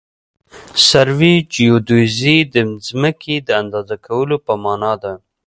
سروي جیودیزي د ځمکې د اندازه کولو په مانا ده